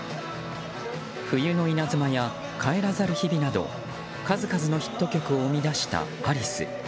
「冬の稲妻」や「帰らざる日々」など数々のヒット曲を生み出したアリス。